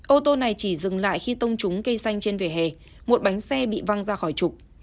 ô tô này chỉ dừng lại khi tông trúng cây xanh trên vỉa hè một bánh xe bị văng ra khỏi trục